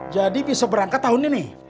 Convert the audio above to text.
jadi bisa berangkat tahun ini